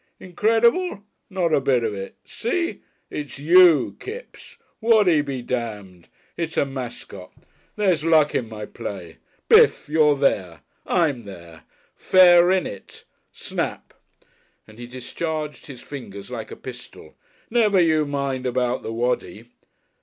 Incredible? Not a bit of it! See? It's you! Kipps! Waddy be damned! It's a Mascot. There's luck in my play. Bif! You're there. I'm there. Fair in it! Snap!" And he discharged his fingers like a pistol. "Never you mind about the 'Waddy.'"